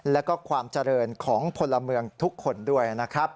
แล้วก็ความเจริญของพลเมืองทุกคนด้วยนะครับ